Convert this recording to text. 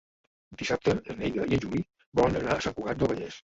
Dissabte na Neida i en Juli volen anar a Sant Cugat del Vallès.